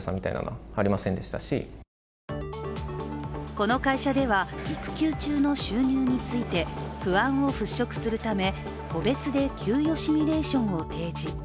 この会社では育休中の収入について不安を払拭するため、個別で給与シミュレーションを提示。